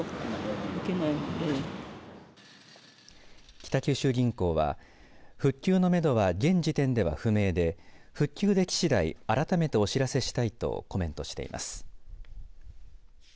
北九州銀行は復旧のめどは現時点では不明で復旧でき次第改めてお知らせしたいとコメントしています。